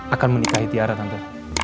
akan menikahi tiara tante